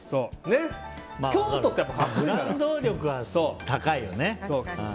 京都ってブランド力は高いよね。